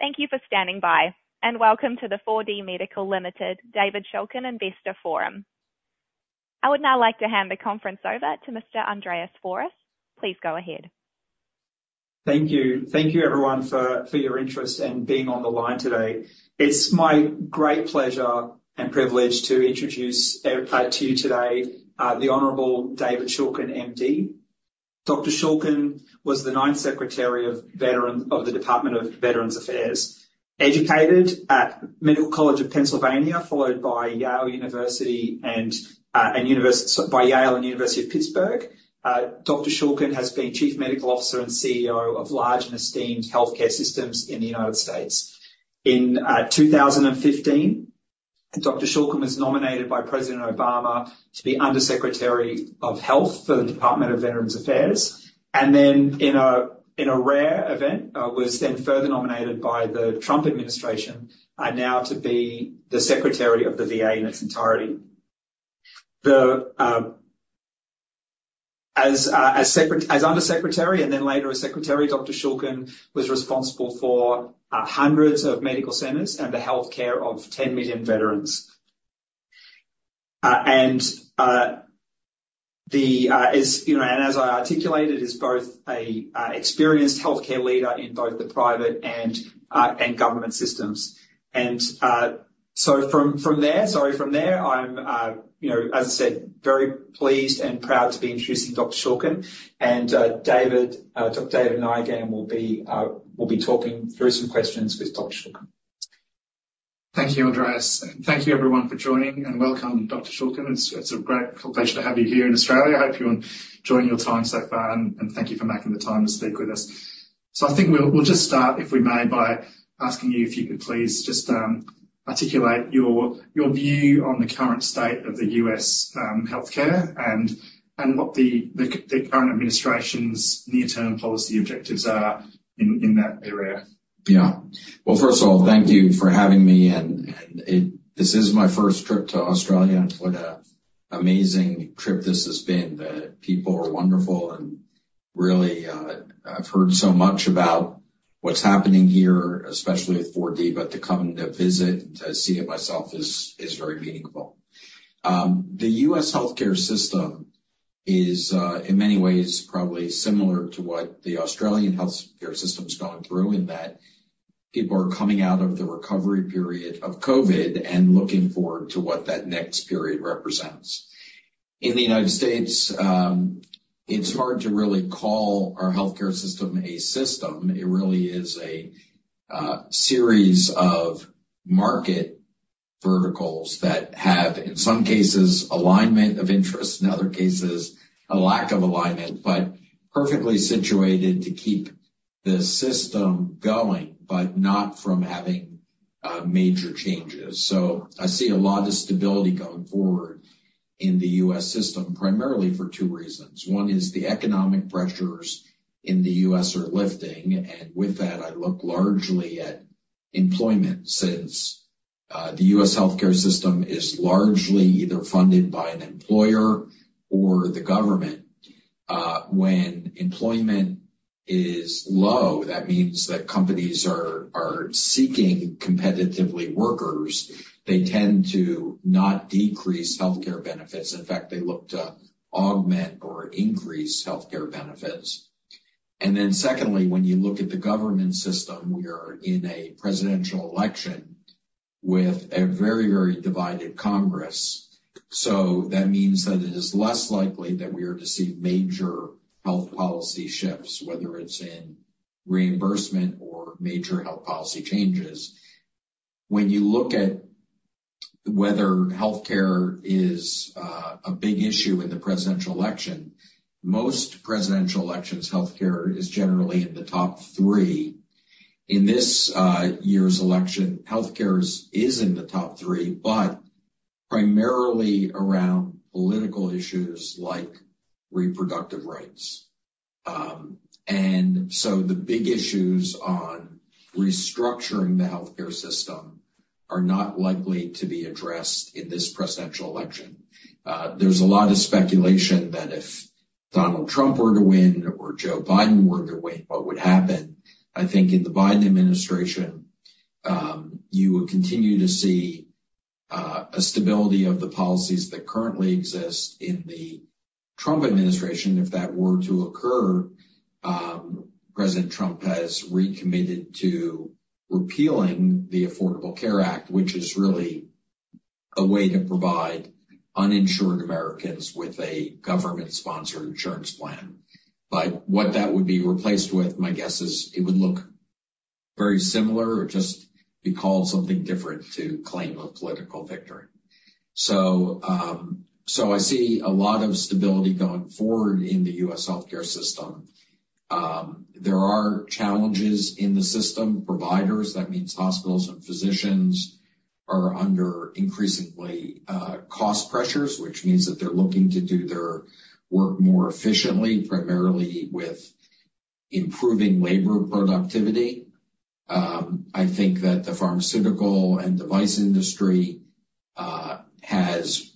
Thank you for standing by, and welcome to the 4DMedical Limited, David Shulkin Investor Forum. I would now like to hand the conference over to Mr. Andreas Fouras. Please go ahead. Thank you. Thank you everyone for your interest in being on the line today. It's my great pleasure and privilege to introduce to you today the Honorable David Shulkin, M.D. Dr. Shulkin was the ninth Secretary of the Department of Veterans Affairs, educated at Medical College of Pennsylvania, followed by Yale University and University of Pittsburgh. Dr. Shulkin has been Chief Medical Officer and CEO of large and esteemed healthcare systems in the United States. In 2015, Dr. Shulkin was nominated by President Obama to be Under Secretary of Health for the Department of Veterans Affairs, and then in a rare event, was then further nominated by the Trump administration now to be the Secretary of the VA in its entirety. The... As Under Secretary, and then later as Secretary, Dr. Shulkin was responsible for hundreds of medical centers and the healthcare of 10 million veterans. As you know, and as I articulated, is both a experienced healthcare leader in both the private and government systems. And so from there, sorry, from there, I'm, you know, as I said, very pleased and proud to be introducing Dr. Shulkin. And David, Dr. David and I, again, will be talking through some questions with Dr. Shulkin. Thank you, Andreas, and thank you everyone for joining, and welcome, Dr. Shulkin. It's a great pleasure to have you here in Australia. I hope you're enjoying your time so far, and thank you for making the time to speak with us. So I think we'll just start, if we may, by asking you if you could please just articulate your view on the current state of the U.S. healthcare and what the current administration's near-term policy objectives are in that area. Yeah. Well, first of all, thank you for having me, and it—this is my first trip to Australia, and what a amazing trip this has been. The people are wonderful, and really, I've heard so much about what's happening here, especially with 4D, but to come and to visit and to see it myself is very meaningful. The U.S. healthcare system is, in many ways, probably similar to what the Australian healthcare system's going through, in that people are coming out of the recovery period of COVID and looking forward to what that next period represents. In the United States, it's hard to really call our healthcare system a system. It really is a series of market verticals that have, in some cases, alignment of interest, in other cases, a lack of alignment, but perfectly situated to keep the system going, but not from having major changes. So I see a lot of stability going forward in the U.S. system, primarily for two reasons. One is the economic pressures in the U.S. are lifting, and with that, I look largely at employment. Since the U.S. healthcare system is largely either funded by an employer or the government, when employment is low, that means that companies are seeking competitively workers. They tend to not decrease healthcare benefits. In fact, they look to augment or increase healthcare benefits. And then secondly, when you look at the government system, we are in a presidential election with a very, very divided Congress. So that means that it is less likely that we are to see major health policy shifts, whether it's in reimbursement or major health policy changes. When you look at whether healthcare is a big issue in the presidential election, most presidential elections, healthcare is generally in the top three. In this year's election, healthcare is in the top three, but primarily around political issues like reproductive rights. And so the big issues on restructuring the healthcare system are not likely to be addressed in this presidential election. There's a lot of speculation that if Donald Trump were to win or Joe Biden were to win, what would happen? I think in the Biden administration, you will continue to see a stability of the policies that currently exist in the Trump administration, if that were to occur. President Trump has recommitted to repealing the Affordable Care Act, which is really a way to provide uninsured Americans with a government-sponsored insurance plan. But what that would be replaced with, my guess is it would look very similar or just be called something different to claim a political victory. So, I see a lot of stability going forward in the U.S. healthcare system. There are challenges in the system. Providers, that means hospitals and physicians, are under increasingly cost pressures, which means that they're looking to do their work more efficiently, primarily with improving labor productivity. I think that the pharmaceutical and device industry has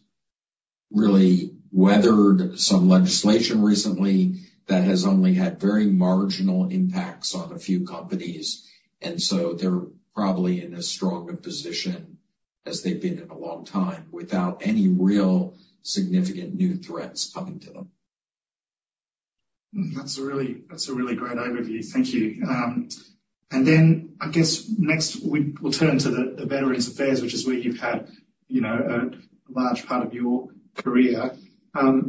really weathered some legislation recently that has only had very marginal impacts on a few companies, and so they're probably in as strong a position as they've been in a long time, without any real significant new threats coming to them. That's a really, that's a really great overview. Thank you. And then, I guess next, we'll turn to the Veterans Affairs, which is where you've had, you know, a large part of your career.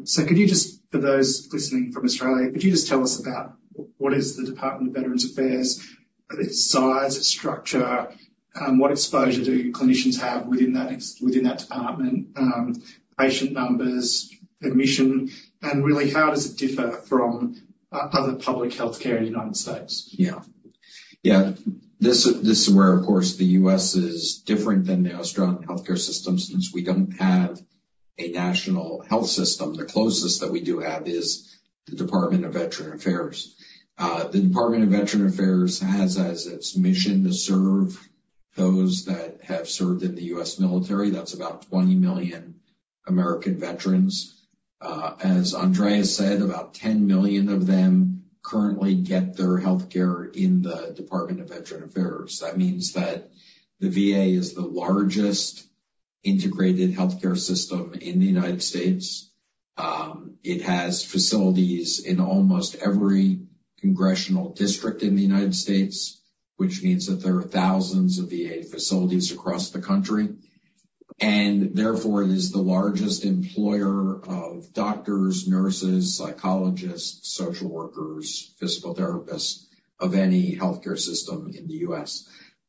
So could you just, for those listening from Australia, could you just tell us about what is the Department of Veterans Affairs, its size, its structure? What exposure do clinicians have within that department, patient numbers, admission, and really, how does it differ from other public healthcare in the United States? Yeah. Yeah, this is, this is where, of course, the U.S. is different than the Australian healthcare system, since we don't have a national health system. The closest that we do have is the Department of Veterans Affairs. The Department of Veterans Affairs has, as its mission, to serve those that have served in the U.S. military. That's about 20 million American veterans. As Andreas said, about 10 million of them currently get their healthcare in the Department of Veterans Affairs. That means that the VA is the largest integrated healthcare system in the United States. It has facilities in almost every congressional district in the United States, which means that there are thousands of VA facilities across the country, and therefore, it is the largest employer of doctors, nurses, psychologists, social workers, physical therapists, of any healthcare system in the U.S.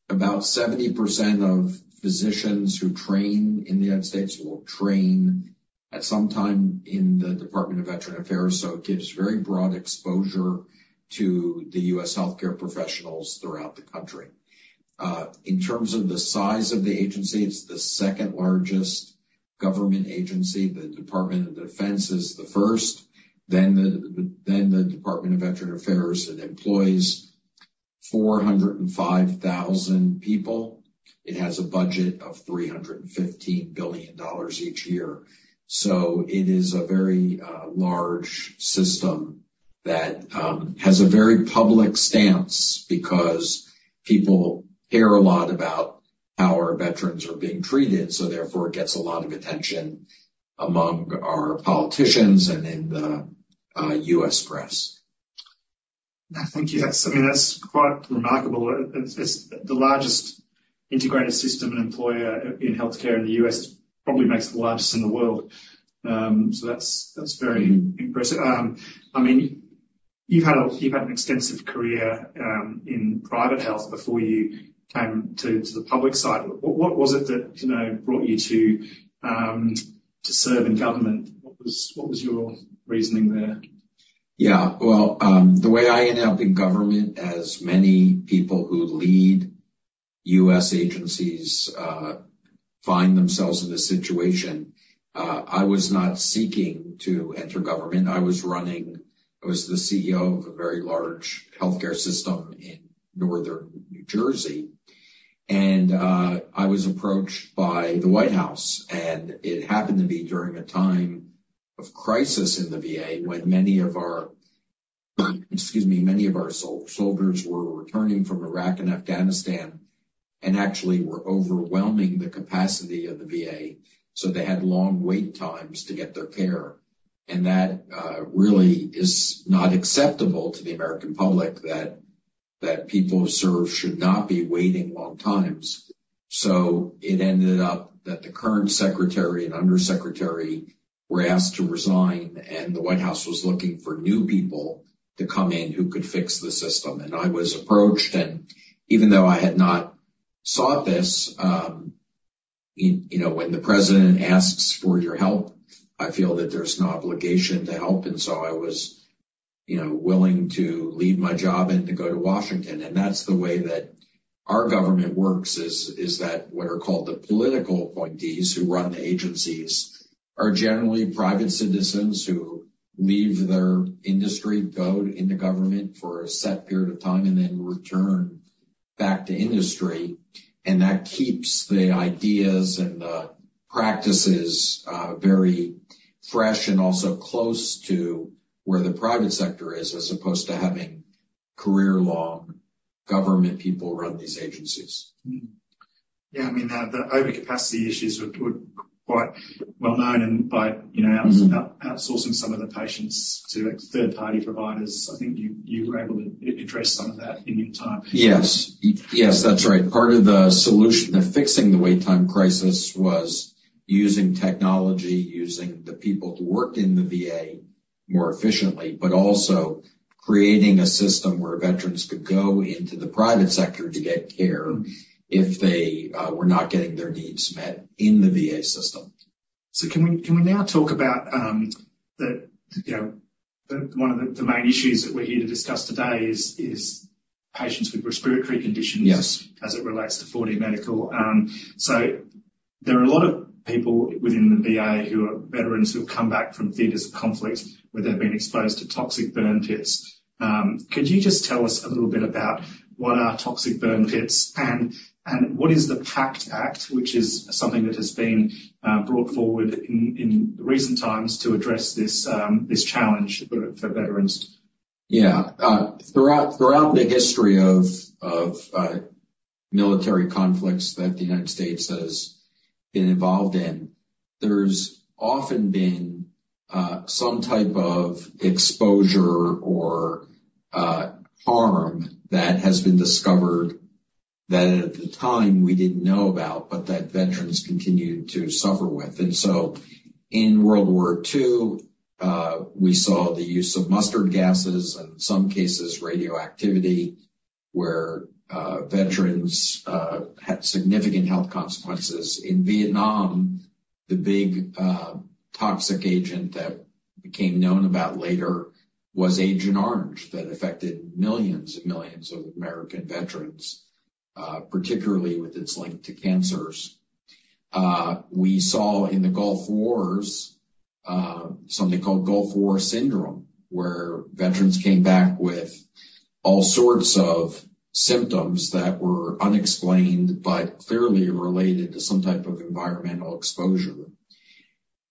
About 70% of physicians who train in the United States will train at some time in the Department of Veterans Affairs, so it gives very broad exposure to the U.S. healthcare professionals throughout the country. In terms of the size of the agency, it's the second-largest government agency. The Department of Defense is the first, then the Department of Veterans Affairs. It employs 405,000 people. It has a budget of $315 billion each year. So it is a very large system that has a very public stance because people care a lot about how our veterans are being treated, so therefore it gets a lot of attention among our politicians and in the U.S. press. Thank you. That's, I mean, that's quite remarkable. It, it's the largest integrated system and employer in healthcare in the U.S., probably makes it the largest in the world. So that's, that's very impressive. I mean, you've had, you've had an extensive career, in private health before you came to, to the public side. What, what was it that, you know, brought you to, to serve in government? What was, what was your reasoning there? Yeah. Well, the way I ended up in government, as many people who lead U.S. agencies find themselves in this situation, I was not seeking to enter government. I was running. I was the CEO of a very large healthcare system in northern New Jersey, and I was approached by the White House, and it happened to be during a time of crisis in the VA, when many of our, excuse me, many of our soldiers were returning from Iraq and Afghanistan and actually were overwhelming the capacity of the VA, so they had long wait times to get their care. And that really is not acceptable to the American public, that people who serve should not be waiting long times. So it ended up that the current secretary and undersecretary were asked to resign, and the White House was looking for new people to come in who could fix the system. And I was approached, and even though I had not sought this, you know, when the president asks for your help, I feel that there's an obligation to help, and so I was, you know, willing to leave my job and to go to Washington. And that's the way that our government works, is that what are called the political appointees, who run the agencies, are generally private citizens who leave their industry, go into government for a set period of time, and then return back to industry. That keeps the ideas and the practices very fresh and also close to where the private sector is, as opposed to having career-long government people run these agencies. Yeah, I mean, the overcapacity issues were quite well known, and by, you know, outsourcing some of the patients to third-party providers, I think you were able to address some of that in your time. Yes. Yes, that's right. Part of the solution to fixing the wait time crisis was using technology, using the people who worked in the VA more efficiently, but also creating a system where veterans could go into the private sector to get care if they were not getting their needs met in the VA system. Can we now talk about, you know, one of the main issues that we're here to discuss today is patients with respiratory conditions? Yes. As it relates to 4DMedical. So there are a lot of people within the VA who are veterans who have come back from theaters of conflict, where they've been exposed to toxic burn pits. Could you just tell us a little bit about what are toxic burn pits, and what is the PACT Act, which is something that has been brought forward in recent times to address this challenge for veterans? Yeah. Throughout the history of military conflicts that the United States has been involved in, there's often been some type of exposure or harm that has been discovered, that at the time we didn't know about, but that veterans continued to suffer with. And so in World War II, we saw the use of mustard gases, and in some cases, radioactivity, where veterans had significant health consequences. In Vietnam, the big toxic agent that became known about later was Agent Orange, that affected millions and millions of American veterans, particularly with its link to cancers. We saw in the Gulf Wars something called Gulf War Syndrome, where veterans came back with all sorts of symptoms that were unexplained, but clearly related to some type of environmental exposure.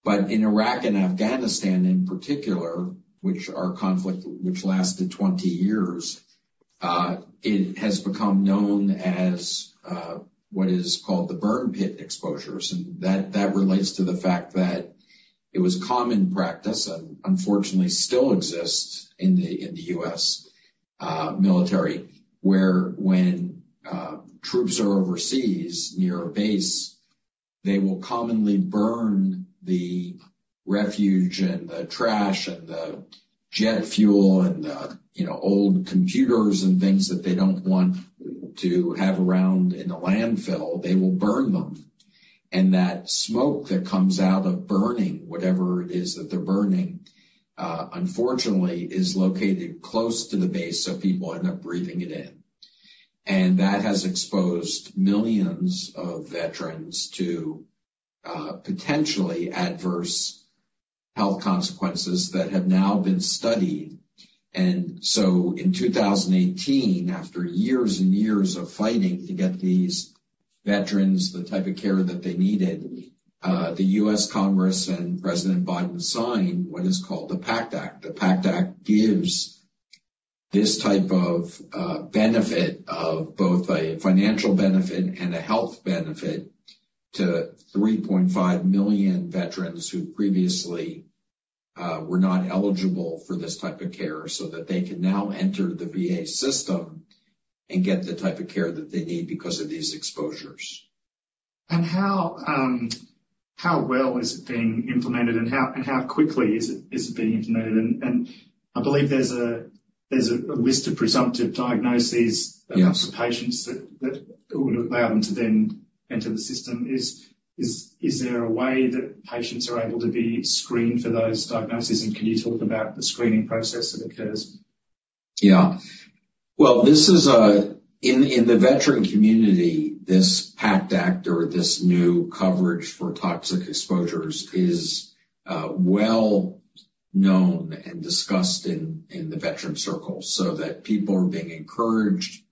But in Iraq and Afghanistan in particular, which are conflict which lasted 20 years, it has become known as what is called the burn pit exposures. And that, that relates to the fact that it was common practice, and unfortunately, still exists in the U.S., military, where when troops are overseas near a base, they will commonly burn the refuse and the trash and the jet fuel and the, you know, old computers and things that they don't want to have around in a landfill. They will burn them, and that smoke that comes out of burning, whatever it is that they're burning, unfortunately, is located close to the base, so people end up breathing it in. And that has exposed millions of veterans to potentially adverse health consequences that have now been studied. And so in 2018, after years and years of fighting to get these veterans the type of care that they needed, the U.S. Congress and President Biden signed what is called the PACT Act. The PACT Act gives this type of benefit of both a financial benefit and a health benefit to 3.5 million veterans who previously were not eligible for this type of care, so that they can now enter the VA system and get the type of care that they need because of these exposures. And how well is it being implemented, and how quickly is it being implemented? And I believe there's a list of presumptive diagnoses... Yes. For patients that would allow them to then enter the system. Is there a way that patients are able to be screened for those diagnoses, and can you talk about the screening process that occurs? Yeah. Well, this is - in the veteran community, this PACT Act or this new coverage for toxic exposures is well-known and discussed in the veteran circles, so that people are being encouraged,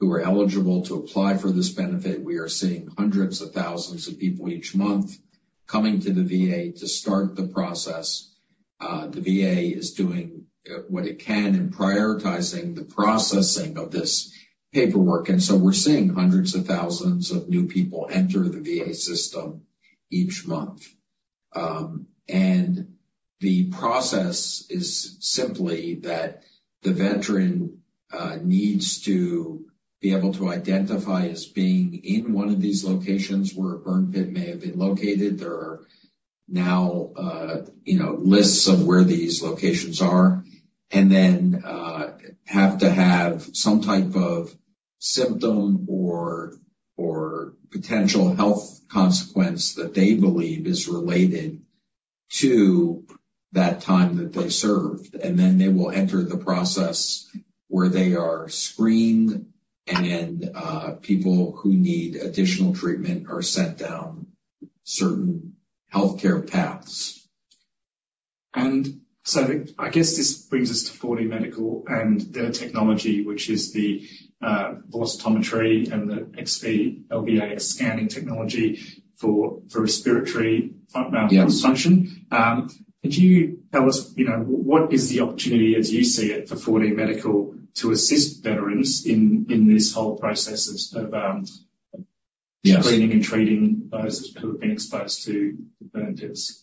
who are eligible, to apply for this benefit. We are seeing hundreds of thousands of people each month coming to the VA to start the process. The VA is doing what it can in prioritizing the processing of this paperwork, and so we're seeing hundreds of thousands of new people enter the VA system each month. And the process is simply that the veteran needs to be able to identify as being in one of these locations where a burn pit may have been located. There are now, you know, lists of where these locations are, and then have to have some type of symptom or potential health consequence that they believe is related to that time that they served. Then they will enter the process where they are screened, and then people who need additional treatment are sent down certain healthcare paths. And so I guess this brings us to 4DMedical and their technology, which is the velocimetry and the XV LVAS scanning technology for respiratory function. Yes. Could you tell us, you know, what is the opportunity, as you see it, for 4DMedical to assist veterans in this whole process of? Yes. Screening and treating those who have been exposed to burn pits?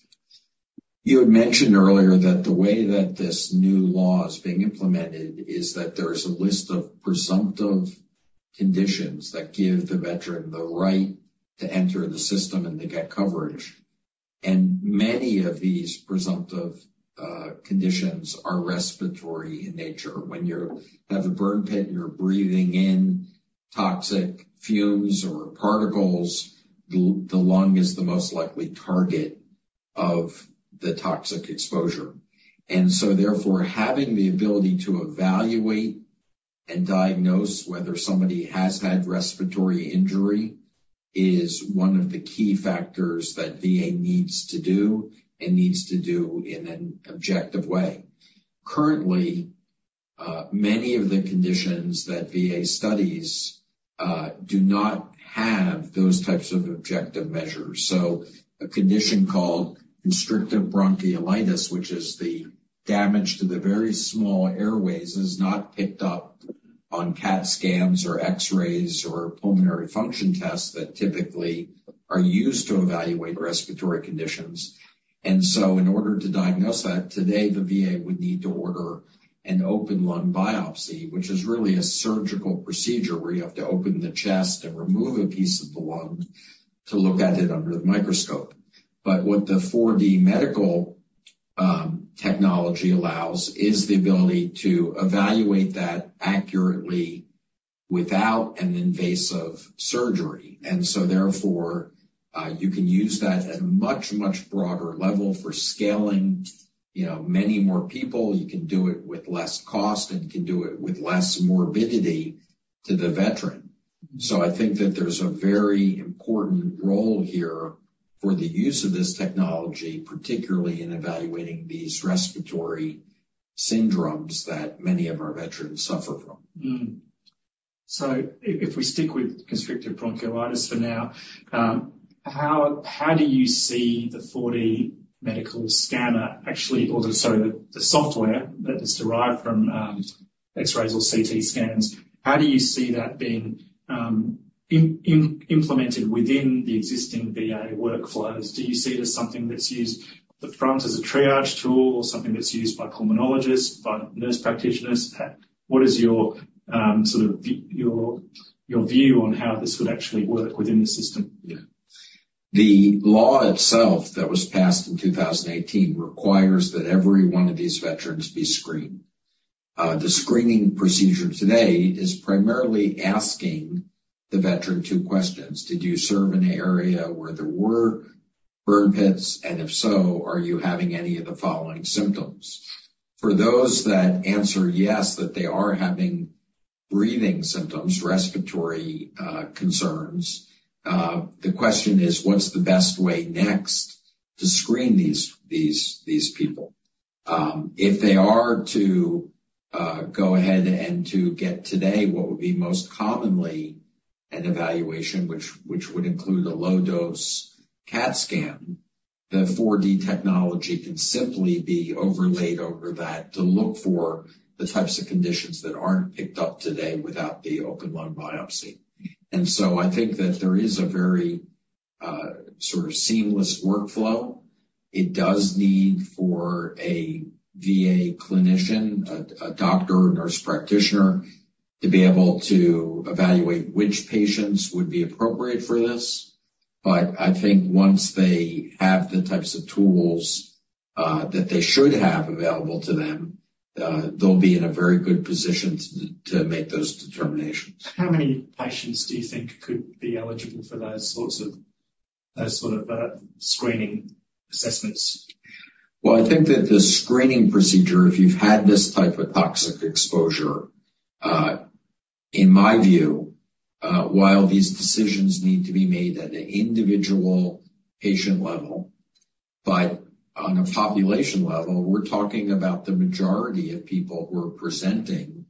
You had mentioned earlier that the way that this new law is being implemented is that there is a list of presumptive conditions that give the veteran the right to enter the system and to get coverage. And many of these presumptive conditions are respiratory in nature. When you have a burn pit, and you're breathing in toxic fumes or particles, the lung is the most likely target of the toxic exposure. And so therefore, having the ability to evaluate and diagnose whether somebody has had respiratory injury is one of the key factors that VA needs to do and needs to do in an objective way. Currently, many of the conditions that VA studies do not have those types of objective measures. So a condition called constrictive bronchiolitis, which is the damage to the very small airways, is not picked up on CAT scans or X-rays or pulmonary function tests that typically are used to evaluate respiratory conditions. And so, in order to diagnose that, today, the VA would need to order an open lung biopsy, which is really a surgical procedure where you have to open the chest and remove a piece of the lung to look at it under the microscope. But what the 4DMedical technology allows is the ability to evaluate that accurately without an invasive surgery. And so, therefore, you can use that at a much broader level for scaling, you know, many more people. You can do it with less cost, and you can do it with less morbidity to the veteran. I think that there's a very important role here for the use of this technology, particularly in evaluating these respiratory syndromes that many of our veterans suffer from. So if we stick with constrictive bronchiolitis for now, how do you see the 4DMedical scanner actually, or sorry, the software that is derived from X-rays or CT scans, how do you see that being implemented within the existing VA workflows? Do you see it as something that's used up front as a triage tool or something that's used by pulmonologists, by nurse practitioners? What is your sort of your view on how this would actually work within the system? Yeah. The law itself, that was passed in 2018, requires that every one of these veterans be screened. The screening procedure today is primarily asking the veteran two questions: Did you serve in an area where there were burn pits? And if so, are you having any of the following symptoms? For those that answer yes, that they are having breathing symptoms, respiratory concerns, the question is, what's the best way next to screen these people? If they are to go ahead and to get today what would be most commonly an evaluation, which would include a low-dose CAT scan, the 4D technology can simply be overlaid over that to look for the types of conditions that aren't picked up today without the open lung biopsy. I think that there is a very, sort of seamless workflow. It does need for a VA clinician, a doctor or nurse practitioner, to be able to evaluate which patients would be appropriate for this. But I think once they have the types of tools that they should have available to them, they'll be in a very good position to make those determinations. How many patients do you think could be eligible for those sorts of screening assessments? Well, I think that the screening procedure, if you've had this type of toxic exposure, in my view, while these decisions need to be made at an individual patient level, but on a population level, we're talking about the majority of people who are presenting,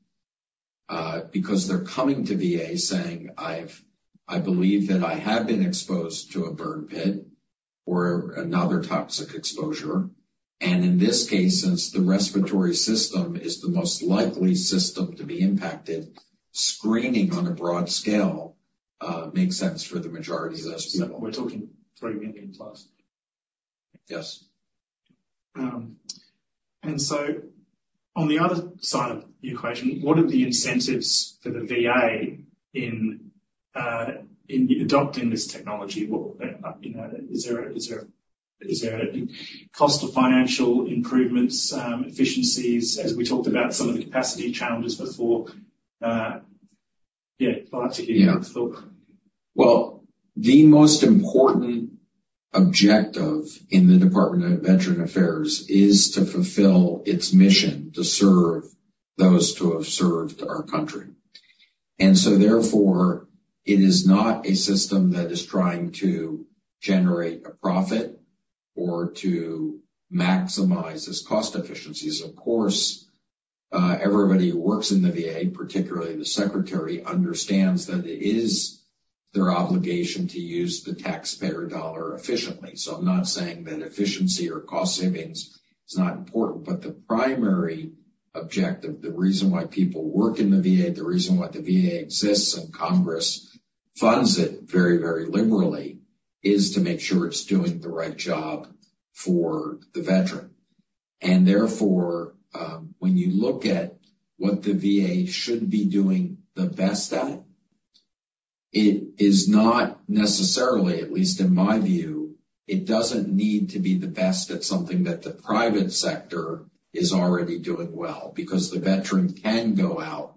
because they're coming to VA saying, "I believe that I have been exposed to a burn pit or another toxic exposure." And in this case, since the respiratory system is the most likely system to be impacted, screening on a broad scale makes sense for the majority of those people. We're talking 3 million-plus? Yes. And so on the other side of the equation, what are the incentives for the VA in adopting this technology? Well, you know, is there any cost or financial improvements, efficiencies, as we talked about some of the capacity challenges before? Yeah, I'd like to get your thought. Well, the most important objective in the Department of Veterans Affairs is to fulfill its mission to serve those who have served our country. And so, therefore, it is not a system that is trying to generate a profit or to maximize its cost efficiencies. Of course, everybody who works in the VA, particularly the Secretary, understands that it is their obligation to use the taxpayer dollar efficiently. So I'm not saying that efficiency or cost savings is not important, but the primary objective, the reason why people work in the VA, the reason why the VA exists, and Congress funds it very liberally, is to make sure it's doing the right job for the veteran. Therefore, when you look at what the VA should be doing the best at, it is not necessarily, at least in my view, it doesn't need to be the best at something that the private sector is already doing well, because the veteran can go out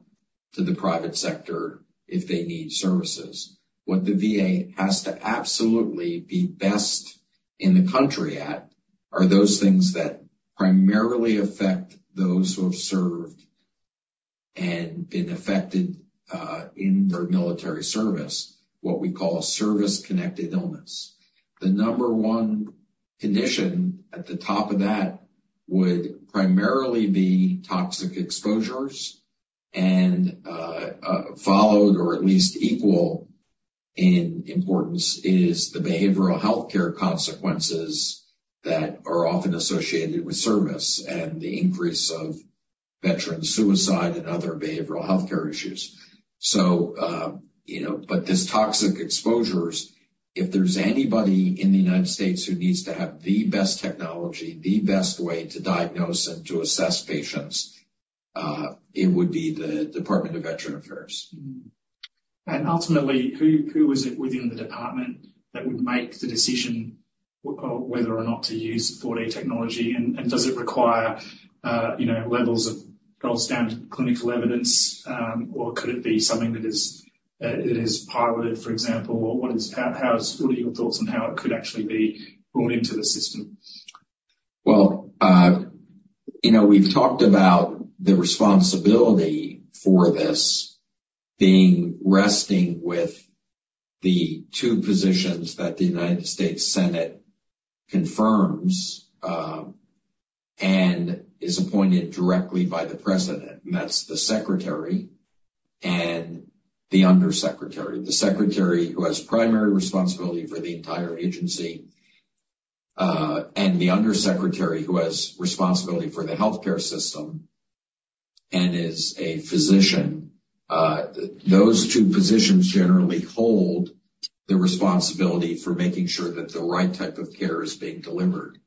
to the private sector if they need services. What the VA has to absolutely be best in the country at are those things that primarily affect those who have served and been affected in their military service, what we call a service-connected illness. The number one condition at the top of that would primarily be toxic exposures, and followed or at least equal in importance is the behavioral healthcare consequences that are often associated with service and the increase of veteran suicide and other behavioral healthcare issues. You know, but this toxic exposures, if there's anybody in the United States who needs to have the best technology, the best way to diagnose and to assess patients, it would be the Department of Veterans Affairs. And ultimately, who is it within the department that would make the decision whether or not to use XV Technology? And does it require, you know, levels of gold standard clinical evidence, or could it be something that is piloted, for example? Or what are your thoughts on how it could actually be brought into the system? Well, you know, we've talked about the responsibility for this being resting with the two positions that the United States Senate confirms, and is appointed directly by the President, and that's the Secretary and the Under Secretary. The Secretary, who has primary responsibility for the entire agency, and the Under Secretary, who has responsibility for the healthcare system and is a physician. Those two positions generally hold the responsibility for making sure that the right type of care is being delivered.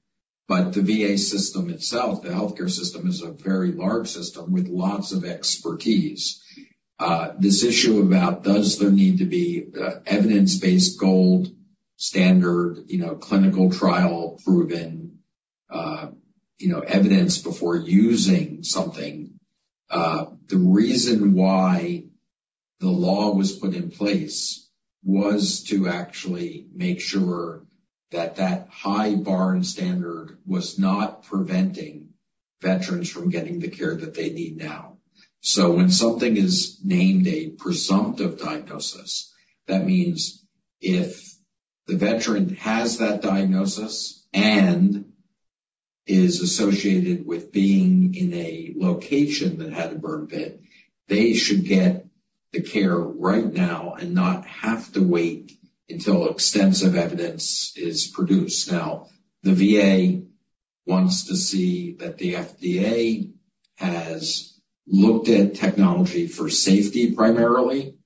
But the VA system itself, the healthcare system, is a very large system with lots of expertise. This issue about does there need to be evidence-based gold standard, you know, clinical trial-proven, you know, evidence before using something? The reason why the law was put in place was to actually make sure that that high bar and standard was not preventing veterans from getting the care that they need now. So when something is named a presumptive diagnosis, that means if the veteran has that diagnosis and is associated with being in a location that had a burn pit, they should get the care right now and not have to wait until extensive evidence is produced. Now, the VA wants to see that the FDA has looked at technology for safety primarily.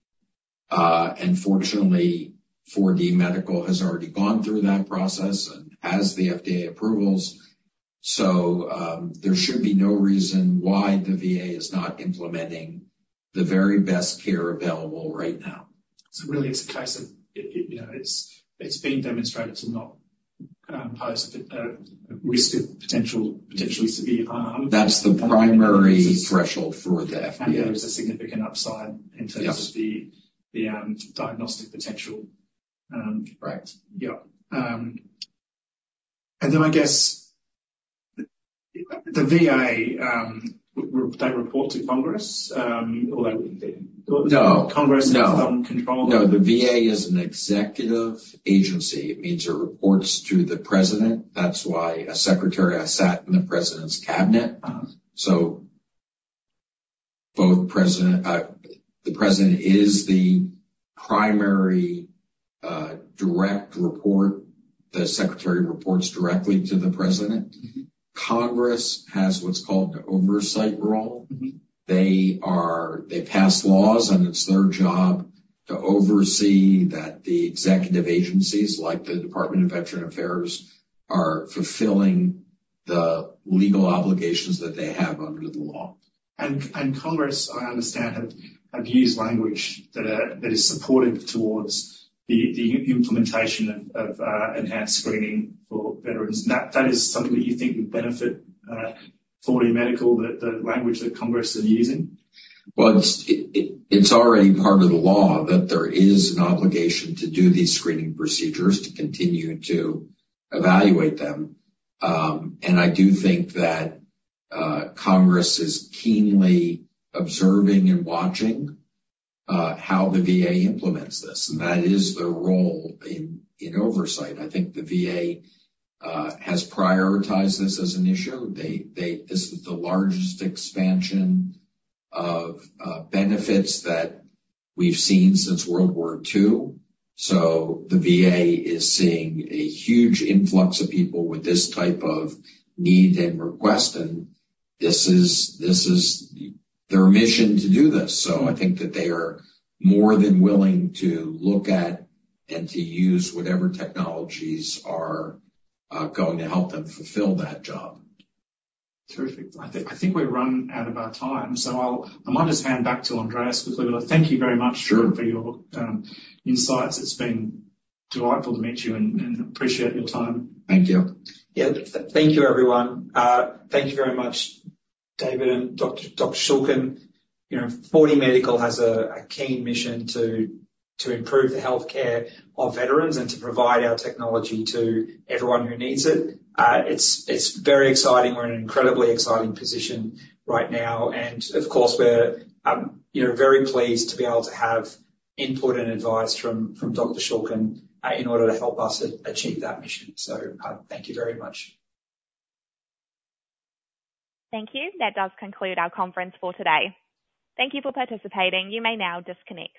And fortunately, 4DMedical has already gone through that process and has the FDA approvals. So, there should be no reason why the VA is not implementing the very best care available right now. So really, it's a case of it, you know, it's been demonstrated to not pose a risk of potential, potentially severe harm. That's the primary threshold for the FDA. There is a significant upside in terms... Yes ...of the diagnostic potential. Correct. Yeah. And then I guess, the VA, they report to Congress, or they- No. Congress is in control? No, the VA is an executive agency. It means it reports to the President. That's why a secretary has sat in the President's Cabinet. Uh. So both President, the President is the primary direct report. The Secretary reports directly to the President. Congress has what's called the oversight role. They pass laws, and it's their job to oversee that the executive agencies, like the Department of Veterans Affairs, are fulfilling the legal obligations that they have under the law. And Congress, I understand, have used language that is supportive towards the implementation of enhanced screening for veterans. And that is something that you think would benefit 4DMedical, the language that Congress is using? It's already part of the law that there is an obligation to do these screening procedures, to continue to evaluate them. I do think that Congress is keenly observing and watching how the VA implements this, and that is their role in oversight. I think the VA has prioritized this as an issue. This is the largest expansion of benefits that we've seen since World War II. So the VA is seeing a huge influx of people with this type of need and request, and this is their mission to do this. I think that they are more than willing to look at and to use whatever technologies are going to help them fulfill that job. Terrific. I think we've run out of our time, so I'll, I might just hand back to Andreas quickly. But thank you very much... Sure ...for your insights. It's been delightful to meet you, and appreciate your time. Thank you. Yeah. Thank you, everyone. Thank you very much, David and Dr. Shulkin. You know, 4DMedical has a keen mission to improve the healthcare of veterans and to provide our technology to everyone who needs it. It's very exciting. We're in an incredibly exciting position right now, and of course, we're, you know, very pleased to be able to have input and advice from Dr. Shulkin, in order to help us achieve that mission. So, thank you very much. Thank you. That does conclude our conference for today. Thank you for participating. You may now disconnect.